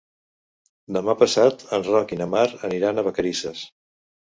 Demà passat en Roc i na Mar aniran a Vacarisses.